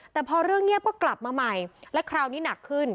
แต่พอเรื่องเงียบก็กลับมาใหม่และคราวนี้หนักขึ้น